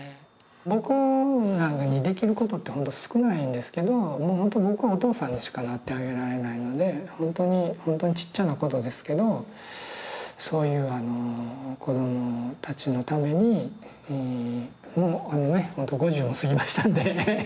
僕なんかにできることってほんと少ないんですけどほんと僕お父さんにしかなってあげられないのでほんとにほんとにちっちゃなことですけどそういうあの子どもたちのためにもうあのねほんと５０を過ぎましたんでね